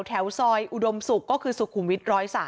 แถวซอยอุดมศุกร์ก็คือสุขุมวิท๑๐๓